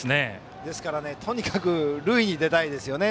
ですから、とにかく塁に出たいですよね